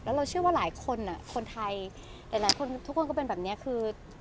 แล้วเราเชื่อว่าหลายคนคนไทยหลายคนทุกคนก็เป็นแบบนี้คือ